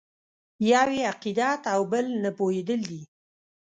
یو یې عقیدت او بل نه پوهېدل دي.